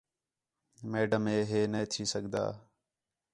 میڈم ہے، ہے نے تھی سڳدا